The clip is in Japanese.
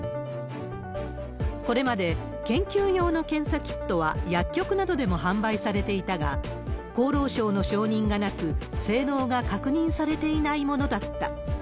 これまで研究用の検査キットは薬局などでも販売されていたが、厚労省の承認がなく、性能が確認されていないものだった。